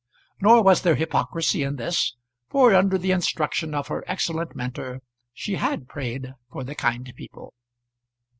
Nor was there hypocrisy in this, for under the instruction of her excellent mentor she had prayed for the kind people.